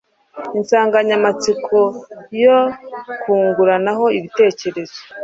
Insanganyamatsiko yo kunguranaho ibitekerezo: